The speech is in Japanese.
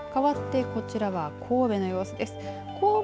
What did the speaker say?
かわってこちらは神戸の様子です。